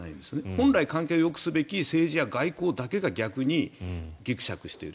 本来関係をよくするべき政治や外交が逆にぎくしゃくしている。